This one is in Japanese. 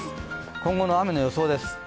今後の雨の予想です。